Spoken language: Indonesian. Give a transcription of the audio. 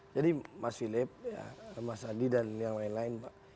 jadi mas philips mas adi dan yang lain lain pak